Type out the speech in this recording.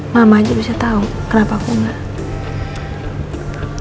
mama aja bisa tau kenapa aku gak